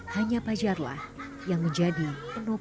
hanya pajarlah yang menjadi penopang keluarga